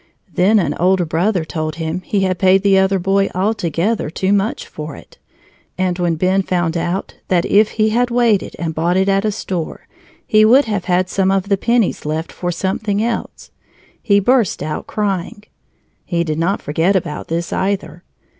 Then an older brother told him he had paid the other boy altogether too much for it, and when Ben found that if he had waited and bought it at a store, he would have had some of the pennies left for something else, he burst out crying. He did not forget about this, either.